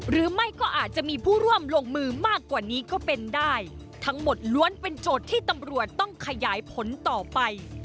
หรือไม่ก็อาจจะมีผู้ร่วมลงมือมากกว่านี้ก็เป็นได้ทั้งหมดล้วนเป็นโจทย์ที่ตำรวจต้องขยายผลต่อไป